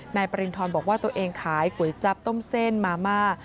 นายปริณฑรบอกว่าตัวเองขายก๋วยจับต้มเส้นมาม่า